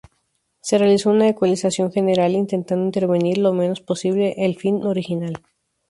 Se realizó una ecualización general intentando intervenir lo menos posible el film original.